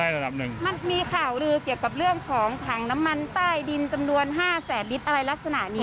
มันมีข่าวลือเกี่ยวกับเรื่องของถังน้ำมันใต้ดินจำนวน๕๐๐ลิตรอะไรลักษณะนี้